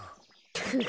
フフフ。